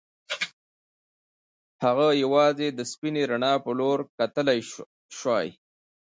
هغه یوازې د سپینې رڼا په لور کتلای شوای